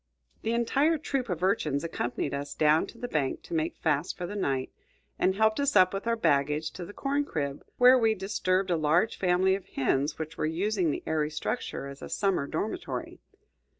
The entire troop of urchins accompanied us down to the bank to make fast for the night, and helped us up with our baggage to the corn crib, where we disturbed a large family of hens which were using the airy structure as a summer dormitory.